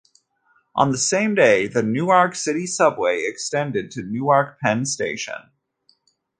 On the same day, the Newark City Subway was extended to Newark Penn Station.